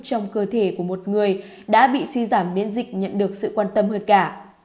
trong cơ thể của một người đã bị suy giảm miễn dịch nhận được sự quan tâm hơn cả